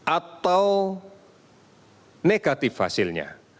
atau negatif hasilnya